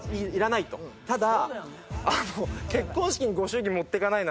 ただ。